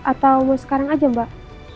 atau sekarang aja mbak